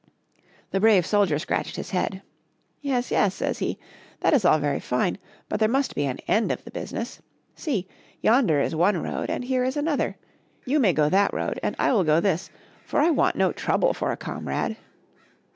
The brave soldier scratched his head. " Yes, yes, says he ;that is all very fine ; but there must be an end of the business. See ! yonder is one road and here is another ; you may go that road and I will go this, for I want no Trouble for a comrade.